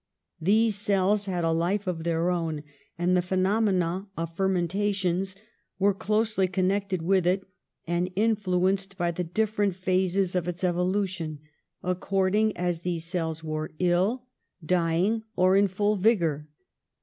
These cells had a life of their own, and the phenomena of fermentations were closely connected with it and influenced by the different phases of its evolution, according as these cells were ill, dy 50 PASTEUR ing or in full vigour.